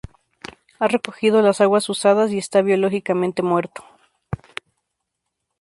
Ha recogido las aguas usadas y está biológicamente muerto.